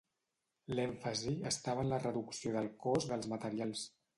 L'èmfasi estava en la reducció del cost dels materials.